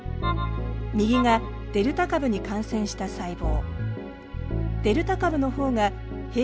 右がデルタ株に感染した細胞。